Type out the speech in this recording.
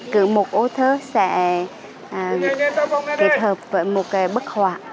cứ một ô thơ sẽ kết hợp với một cái bức hòa